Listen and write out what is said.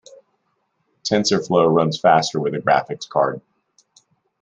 Tensorflow runs faster with a graphics card.